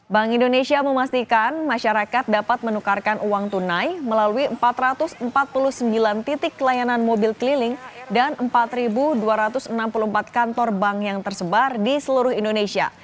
bank indonesia memastikan masyarakat dapat menukarkan uang tunai melalui empat ratus empat puluh sembilan titik layanan mobil keliling dan empat dua ratus enam puluh empat kantor bank yang tersebar di seluruh indonesia